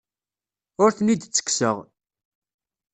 Ur ten-id-ttekkseɣ.